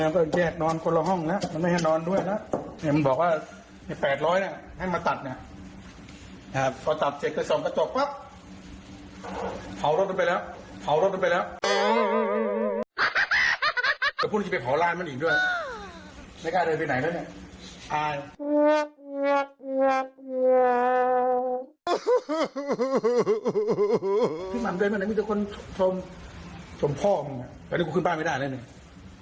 พี่มันด้วยไม่น่ะมีเจ้าคนพรมพรมพ่อแต่นี่กูขึ้นบ้านไม่ได้เลย